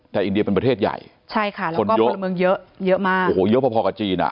แต่อินเดียเป็นประเทศใหญ่คนเยอะเยอะพอกับจีน